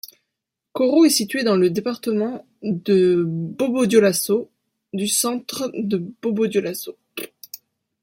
Koro est située dans le du département de Bobo-Dioulasso, à du centre de Bobo-Dioulasso.